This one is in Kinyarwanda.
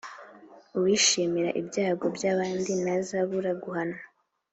uwishimira ibyago by’abandi ntazabura guhanwa